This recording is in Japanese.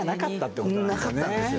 なかったんですよ。